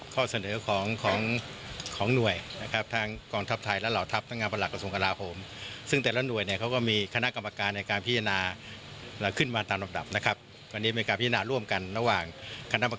เขาก็มีคณะกรรมการการพิจารณามาขึ้นมาตามระดับ